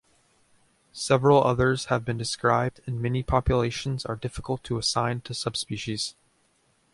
Several others have been described and many populations are difficult to assign to subspecies.